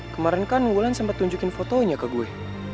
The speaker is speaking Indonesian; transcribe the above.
kemaren kan wulan sempet tunjukin fotonya ke gue